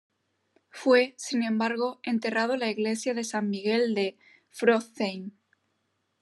Fue, sin embargo, enterrado en la iglesia de san Miguel de Pforzheim.